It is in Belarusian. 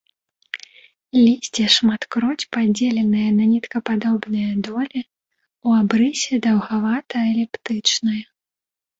Лісце шматкроць падзеленае на ніткападобныя долі, у абрысе даўгавата-эліптычнае.